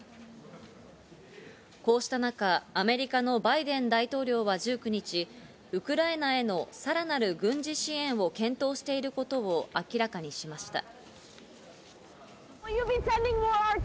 こうした中、アメリカのバイデン大統領は１９日、ウクライナへのさらなる軍事支援を検討していることを明らかにしました。